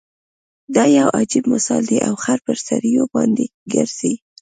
دا يو عجیب مثال دی او خر په سړیو باندې ګرځي.